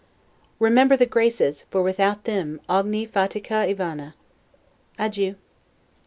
Remember the GRACES, for without them 'ogni fatica e vana'. Adieu.